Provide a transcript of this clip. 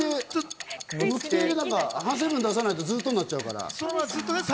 反省文出さないとずっとになっちゃうから。